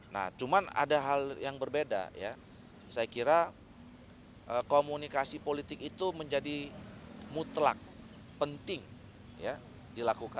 nah cuman ada hal yang berbeda ya saya kira komunikasi politik itu menjadi mutlak penting ya dilakukan